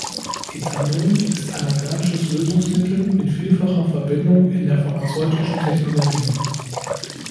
Ethanol ist ein organisches Lösungsmittel mit vielfacher Verwendung in der pharmazeutischen Technologie.